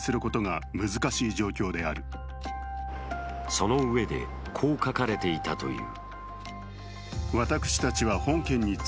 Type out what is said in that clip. そのうえで、こう書かれていたという。